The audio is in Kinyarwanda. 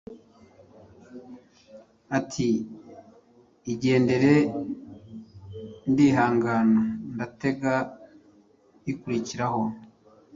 ati igendere ndihangana ndatega ikurikiraho